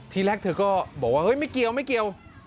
ทีแรกเธอก็บอกไม่เกียว